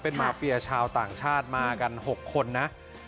เป็นมาเฟียชาวต่างชาติมากัน๖คนนะ